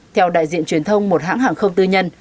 theo đại diện truyền thông một hãng hàng không tư nhân